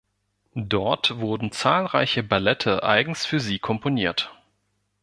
Dort wurden zahlreiche Ballette eigens für sie komponiert.